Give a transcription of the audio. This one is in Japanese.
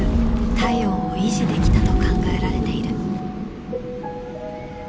体温を維持できたと考えられている。